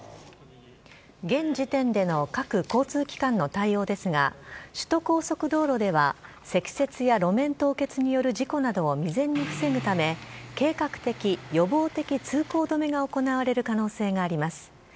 現時点での各交通機関の対応ですが、首都高速道路では、積雪や路面凍結による事故などを未然に防ぐため、計画的・予防的通行止めが行われる可能性があります。